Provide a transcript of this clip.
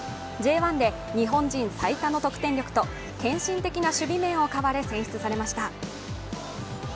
Ｊ１で日本人最多の得点力と献身的な守備面をかわれ選出されました。